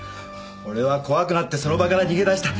俺は怖くなってその場から逃げ出した。